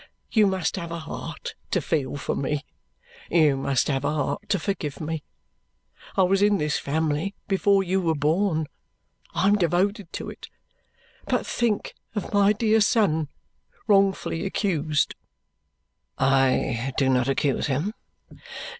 You must have a heart to feel for me, you must have a heart to forgive me. I was in this family before you were born. I am devoted to it. But think of my dear son wrongfully accused." "I do not accuse him."